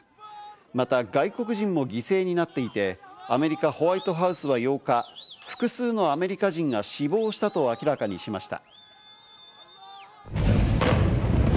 また外国人も犠牲になっていて、アメリカ・ホワイトハウスは８日、複数のアメリカ人が死亡したと明らかにしました。